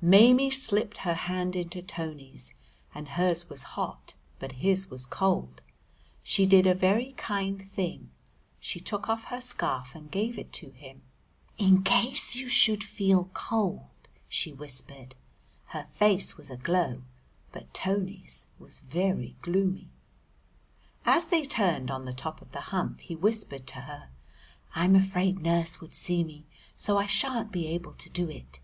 Maimie slipped her hand into Tony's, and hers was hot, but his was cold. She did a very kind thing; she took off her scarf and gave it to him! "In case you should feel cold," she whispered. Her face was aglow, but Tony's was very gloomy. As they turned on the top of the Hump he whispered to her, "I'm afraid Nurse would see me, so I sha'n't be able to do it."